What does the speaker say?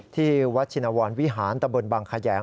ที่วัดชินวรวิหารตะบนบังแขยง